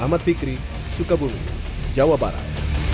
ahmad fikri sukabumi jawa barat